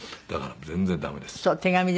だから全然駄目です。